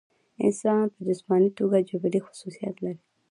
انسان پۀ جسماني توګه جبلي خصوصيات لري